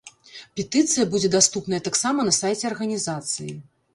Петыцыя будзе даступная таксама на сайце арганізацыі.